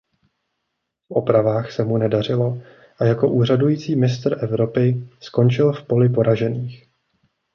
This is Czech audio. V opravách se mu nedařilo a jako úřadující mistr Evropy skončil v poli poražených.